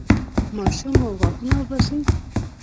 ماشوم مو غاښونه وباسي؟